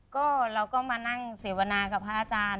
ก็เราก็มานั่งเสวนากับพระอาจารย์